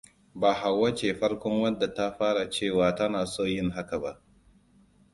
Ba Hauwa ce farkon wadda ta fara cewa tana son yin hakan ba.